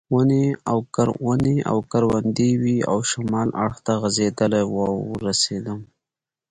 ونې او کروندې وې او شمالي اړخ ته غځېدلې وه ورسېدم.